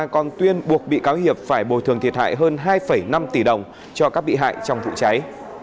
cuộc bị cáo hiệp phải bồi thường thiệt hại hơn hai năm tỷ đồng cho các bị hại trong vụ cháy